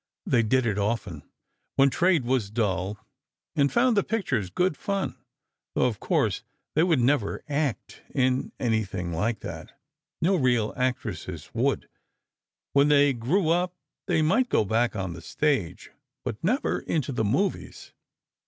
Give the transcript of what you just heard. They did it often, when trade was dull, and found the pictures good fun, though of course they would never act in anything like that—no real actresses would. When they grew up, they might go back on the stage, but never into the movies.